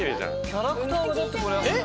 キャラクターがだってこれ。